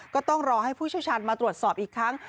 ก็ต้องรอให้ผู้เชี่ยวชาญมาตรวจสอบอีกครั้ง